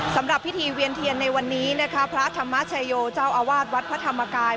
สำหรับพิธีเวียนเทียนในวันนี้นะคะพระธรรมชโยเจ้าอาวาสวัดพระธรรมกาย